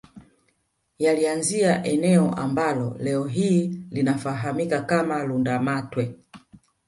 Yaliianzia eneo ambalo leo hii linafahamika kama Lundamatwe